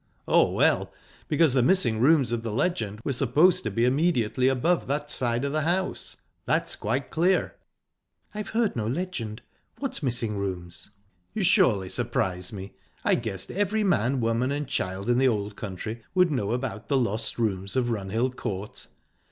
"Oh, well, because the missing rooms of the legend were supposed to be immediately above that side of the house. That's quite clear." "I have heard no legend. What missing rooms?" "You surely surprise me. I guessed every man, woman, and child in the Old Country would know about the lost rooms of Runhill Court.